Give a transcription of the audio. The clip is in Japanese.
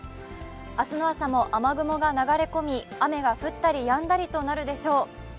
明日の朝も雨雲が流れ込み雨が降ったりやんだりとなるでしょう。